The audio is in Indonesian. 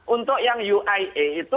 untuk yang uia itu